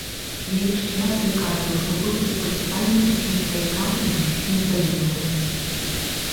Я яшчэ раз выказваю глыбокія спачуванні ўсім сваякам і блізкім загінулым.